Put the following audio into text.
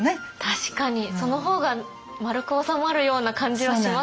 確かにその方が丸く収まるような感じはしますね。